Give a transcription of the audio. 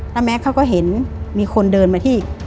แล้วแม็กซเขาก็เห็นมีคนเดินมาที่